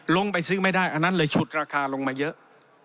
ลงไปซื้อไม่ได้อันนั้นเลยฉุดราคาลงมาเยอะ